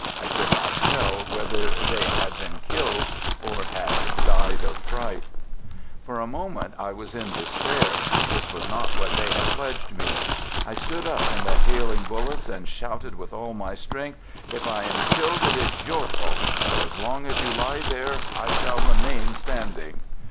I could not tell whether they had been killed or had died of fright. ( For a moment I was in despair. This was not i what they had pledged me. I stood up in the hail ; ing bullets and shouted with all my strength :" If j I am killed, it is your fault! — But as long as you ( lie there, I shall remain standing